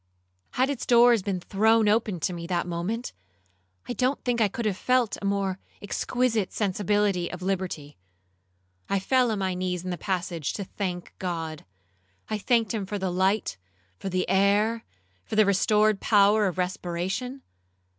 Had its doors been thrown open to me that moment, I don't think I could have felt a more exquisite sensibility of liberty. I fell on my knees in the passage to thank God. I thanked him for the light, for the air, for the restored power of respiration.